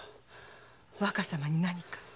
若様に何か？